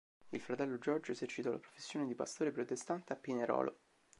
Il fratello Giorgio esercitò la professione di pastore protestante a Pinerolo.